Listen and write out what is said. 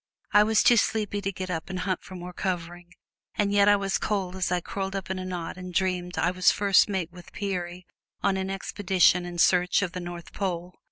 I was too sleepy to get up and hunt for more covering, and yet I was cold as I curled up in a knot and dreamed I was first mate with Peary on an expedition in search of the North Pole.